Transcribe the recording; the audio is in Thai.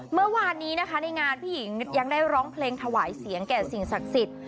เมื่อวานนี้นะคะในงานพี่หญิงยังได้ร้องเพลงถวายเสียงแก่สิ่งศักดิ์สิทธิ์